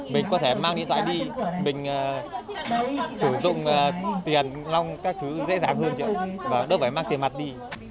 mình có thể mang điện thoại đi mình sử dụng tiền nông các thứ dễ dàng hơn đâu phải mang tiền mặt đi